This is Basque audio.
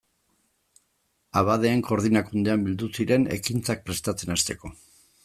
Abadeen Koordinakundean bildu ziren ekintzak prestatzen hasteko.